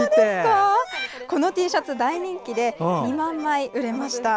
このＴシャツは大人気で２万枚、売れました。